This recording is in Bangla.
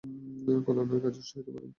কল্যাণের কাজে উৎসাহিত করেন।